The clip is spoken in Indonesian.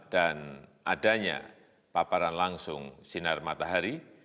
dan adanya paparan langsung sinar matahari